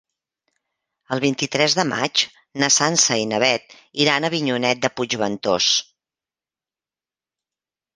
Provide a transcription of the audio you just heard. El vint-i-tres de maig na Sança i na Beth iran a Avinyonet de Puigventós.